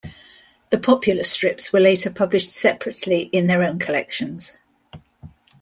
The popular strips were later published separately in their own collections.